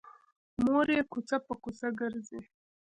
مور یې کوڅه په کوڅه ګرځي